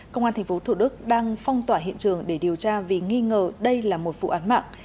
công an tp thủ đức đang phong tỏa hiện trường để điều tra vì nghi ngờ đây là một vụ án mạng